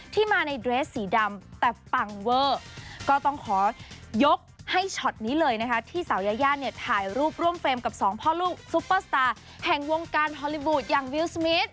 ที่มาในเดรสสีดำแต่ปังเวอร์ก็ต้องขอยกให้ช็อตนี้เลยนะคะที่สาวยายาเนี่ยถ่ายรูปร่วมเฟรมกับสองพ่อลูกซุปเปอร์สตาร์แห่งวงการฮอลลี่วูดอย่างวิวสมิท